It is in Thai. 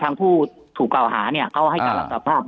ผู้ถูกกล่าวหาเนี่ยเขาให้การรับสภาพ